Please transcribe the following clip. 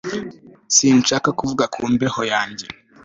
Sinshaka kuvuga ku mbeho yanjye